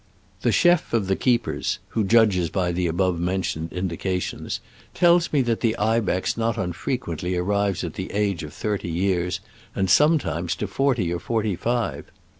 The chef of the keepers (who judges by the above mentioned indications) tells me that the ibex not unfrequently arrives at the age of thirty years, and sometimes to forty or forty five.